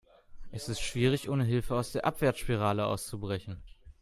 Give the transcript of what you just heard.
Es ist schwierig, ohne Hilfe aus der Abwärtsspirale auszubrechen.